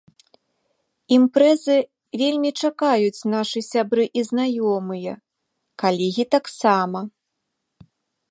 Імпрэзы вельмі чакаюць нашы сябры і знаёмыя, калегі таксама.